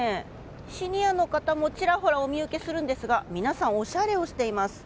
シニアの方もちらほらお見受けするんですが皆さん、おしゃれをしています。